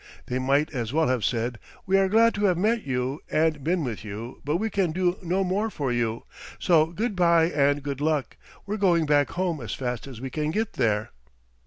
They might as well have said: "We are glad to have met you and been with you, but we can do no more for you, so good by and good luck; we're going back home as fast as we can get there."